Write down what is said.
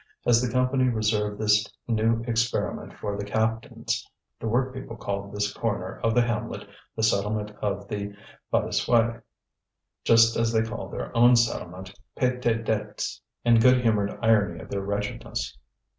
As the Company reserved this new experiment for the captains, the workpeople called this corner of the hamlet the settlement of the Bas de Soie, just as they called their own settlement Paie tes Dettes, in good humoured irony of their wretchedness.